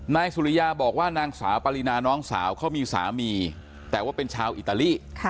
นายสุริยาบอกว่านางสาวปรินาน้องสาวเขามีสามีแต่ว่าเป็นชาวอิตาลี